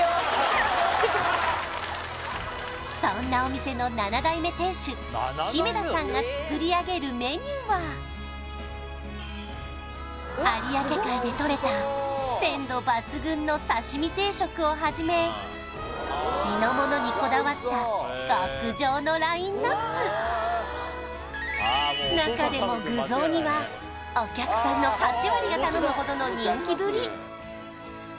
そんなお店の７代目店主姫田さんが作り上げるメニューは有明海でとれた鮮度抜群のさしみ定食をはじめ地のものにこだわった極上のラインナップ中でも具雑煮はお客さんの８割が頼むほどの人気ぶり